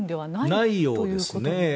ないようですね。